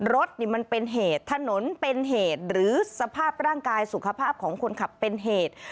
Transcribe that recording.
รถนี่มันเป็นเหตุถนนเป็นเหตุหรือสภาพร่างกายสุขภาพของคนขับเป็นเหตุ